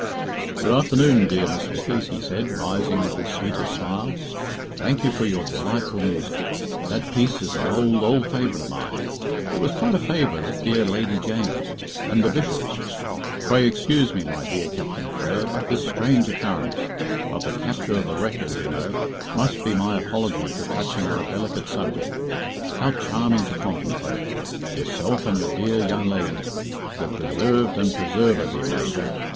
"Good afternoon, dear Miss Vickers," he said, rising with his sweetest smile. "Thank you for your delightful music. That piece is an old, old favourite of mine. It was quite a favourite of dear Lady Jane's, and the Bishop's. Pray excuse me, my dear Captain Frere, but this strange occurrence of the capture of the wreckers, you know must be my apology for touching on a delicate subject. How charming to contemplate! Yourself and your dear young lady! The preserved and preserver, dear Major.